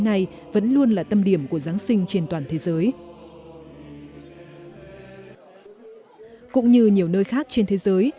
nay vẫn luôn là tâm điểm của giáng sinh trên toàn thế giới cũng như nhiều nơi khác trên thế giới